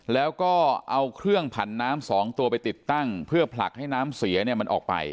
แล้วก็เอาเครื่องผันน้ำ๒ตัวไปติดตั้งเพื่อผลักให้น้ำเสียเนี่ยมันออกไป